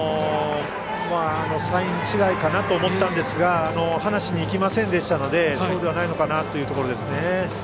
サイン違いかなと思ったんですが話しに行きませんでしたのでそうではないのかなというところですね。